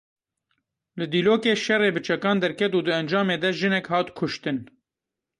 Li Dîlokê şerê bi çekan derket û di encamê de jinek hat kuştin.